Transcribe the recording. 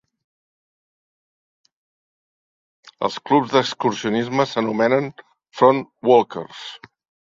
Els clubs d'excursionisme s'anomenen Frontwalkers.